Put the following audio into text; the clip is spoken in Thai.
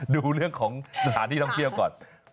ดูเรื่องของสถานที่ท่องเที่ยวก่อน